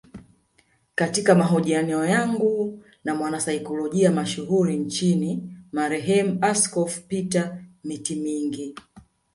Katika mahojiano yangu na mwanasaikolojia mashuhuri nchini marehemu askofu Peter Mitimingi